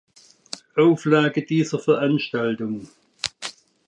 Auflage dieser Veranstaltung.